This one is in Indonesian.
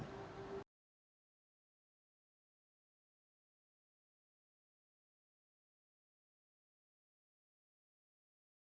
terima kasih sudah melaporkan